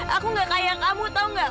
aku gak kaya kamu tau gak